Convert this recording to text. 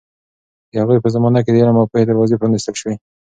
د هغوی په زمانه کې د علم او پوهې دروازې پرانیستل شوې.